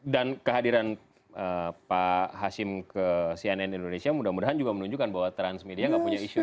dan kehadiran pak hashim ke cnn indonesia mudah mudahan juga menunjukkan bahwa transmedia gak punya isu